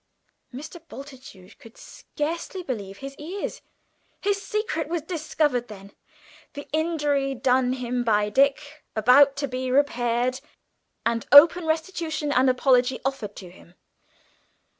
Mr. Bultitude could scarcely believe his ears. His secret was discovered, then; the injury done him by Dick about to be repaired, and open restitution and apology offered him!